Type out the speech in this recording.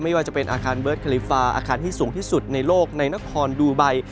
ว่าจะเป็นอาคารเบิร์ตคาลิฟาอาคารที่สูงที่สุดในโลกในนครดูไบ